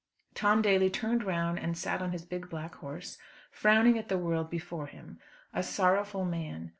Tom Daly turned round and sat on his big black horse, frowning at the world before him; a sorrowful man.